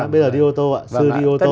bây giờ đi ô tô ạ xưa đi ô tô